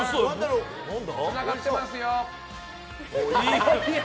つながってますよ。